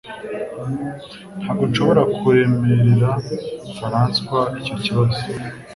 Ntabwo nshobora kuremerera Faranswa icyo kibazo